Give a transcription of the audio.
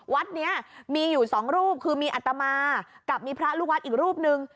วัดนี้มีอยู่สองรูปคือมีอัตมากับมีพระลูกวัดอีกรูปนึง